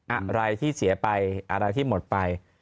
อะไรที่เสียไปอะไรที่หมดไป